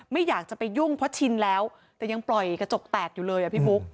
ไม่อยากจะไปยุ่งเพราะชินแล้วแต่ยังปล่อยกระจกแตกอยู่เลยอ่ะพี่บุ๊ค